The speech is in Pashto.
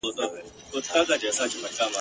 د ادم د رباب شرنګ ته انتظار یم ..